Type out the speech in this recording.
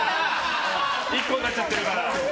１個になっちゃってるから。